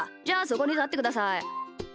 じゃあそこにたってください。